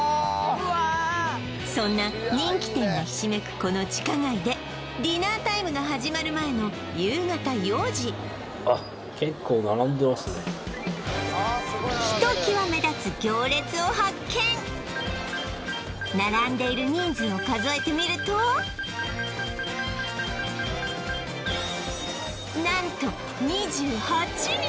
そんな人気店がひしめくこの地下街でディナータイムが始まる前の夕方４時ひときわ目立つ並んでいる人数を数えてみると何と２８人